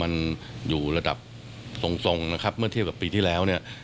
มันอยู่ระดับทรงเมื่อเทียบกับปีที่แล้ว